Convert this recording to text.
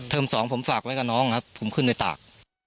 เทอม๒ผมฝากไว้กับน้องผมขึ้นด้วยตาก